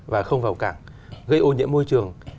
và không vào cảng gây ô nhiễm môi trường